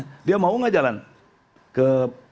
mereka mau gak jalan ke